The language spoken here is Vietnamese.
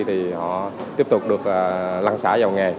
thì họ tiếp tục được lăn xả vào nghề